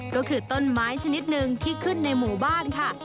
ก็คือต้นไม้ชนิดหนึ่งที่ขึ้นในหมู่บ้านค่ะ